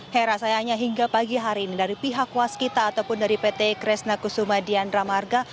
hei rasanya hingga pagi hari ini dari pihak waskita ataupun dari pt kresna kusuma dian ramarga